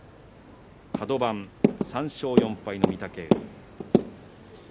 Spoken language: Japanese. カド番、３勝４敗の御嶽海。